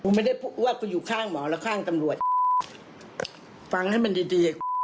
ไม่ได้พูดว่ากูอยู่ข้างหมอแล้วข้างตำรวจฟังให้มันดีดี